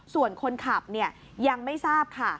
ส่วนคนขับยังไม่ทราบค่ะ